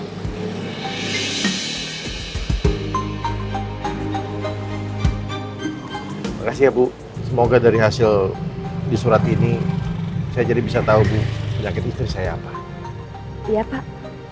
terima kasih ya semoga dari hasil disurat ini saya jadi bisa tahu penyakit istri saya apa iya pak